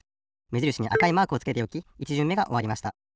めじるしにあかいマークをつけておき１じゅんめがおわりました。